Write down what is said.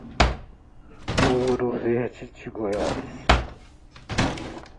Ouro Verde de Goiás